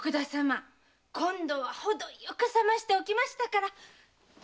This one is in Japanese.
今度はほどよく冷ましておきましたから。